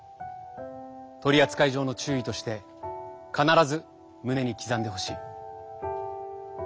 取り扱い上の注意として必ず胸に刻んでほしい。